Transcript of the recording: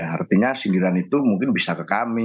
artinya sindiran itu mungkin bisa ke kami